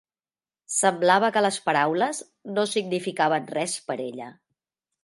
Semblava que les paraules no significaven res per ella.